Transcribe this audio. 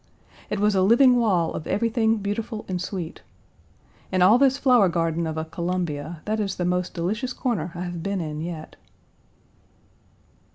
It was a living wall of everything beautiful and sweet. In all this flower garden of a Columbia, that is the most delicious corner I have been in yet.